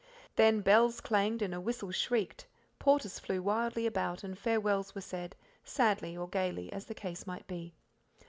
Then bells clanged and a whistle shrieked, porters flew wildly about, and farewells were said, sadly or gaily as the case might be.